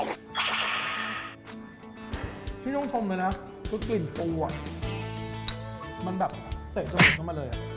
ชิมช่วงชมเลยนะเพราะกลิ่นกลัวอ่ะมันแบบเตะจนกลงเข้ามาเลย